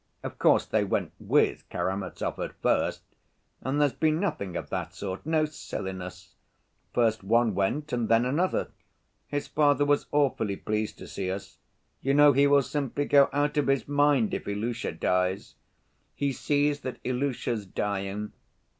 Of course, they went with Karamazov at first. And there's been nothing of that sort—no silliness. First one went, and then another. His father was awfully pleased to see us. You know he will simply go out of his mind if Ilusha dies. He sees that Ilusha's dying.